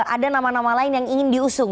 ada nama nama lain yang ingin diusung